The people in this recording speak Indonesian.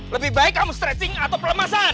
lebih baik kamu stretching atau pelemasan